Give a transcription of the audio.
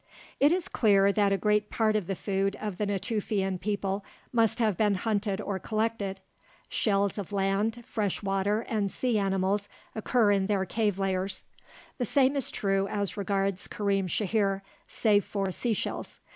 It is clear that a great part of the food of the Natufian people must have been hunted or collected. Shells of land, fresh water, and sea animals occur in their cave layers. The same is true as regards Karim Shahir, save for sea shells.